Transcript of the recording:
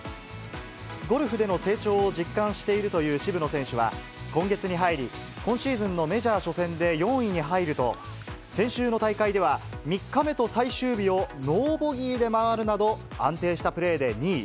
ゴルフでの成長を実感しているという渋野選手は、今月に入り、今シーズンのメジャー初戦で４位に入ると、先週の大会では、３日目と最終日をノーボギーで回るなど、安定したプレーで２位。